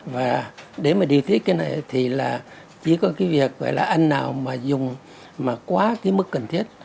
và để mà điều tiết cái này thì là chỉ có cái việc gọi là anh nào mà dùng mà quá cái mức cần thiết